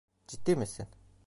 Ciddi misin?